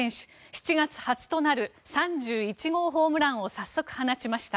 ７月初となる３１号ホームランを早速放ちました。